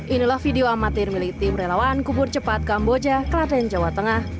inilah video amatir milik tim relawan kubur cepat kamboja klaten jawa tengah